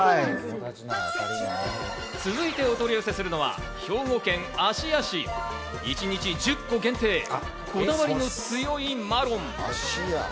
続いてお取り寄せするのは兵庫県芦屋市、１日１０個限定、こだわりの強いマロン。